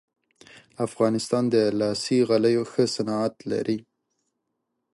افغانستان د لاسي غالیو ښه صنعت لري